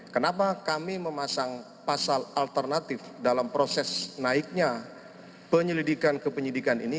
kenapa kami memasang pasal alternatif dalam proses naiknya penyelidikan ke penyidikan ini